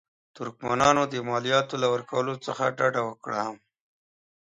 ترکمنانو د مالیاتو له ورکولو څخه ډډه وکړه.